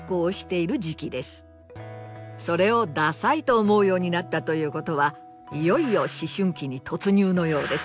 それを「ダサい」と思うようになったということはいよいよ思春期に突入のようです。